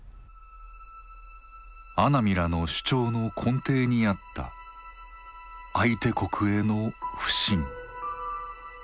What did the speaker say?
阿南らの主張の根底にあった相手国への不信。